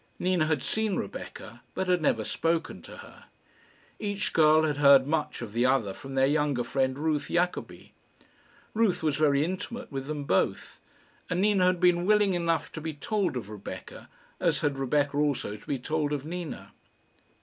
Nina had seen Rebecca, but had never spoken to her. Each girl had heard much of the other from their younger friend Ruth Jacobi. Ruth was very intimate with them both, and Nina had been willing enough to be told of Rebecca, as had Rebecca also to be told of Nina.